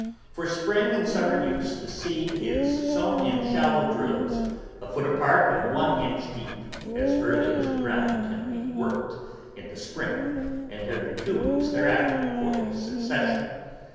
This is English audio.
For spring and summer use the seed is sown in shallow drills, a foot apart and one inch deep, as early as the ground can be worked in the spring and every two weeks there after for a succession.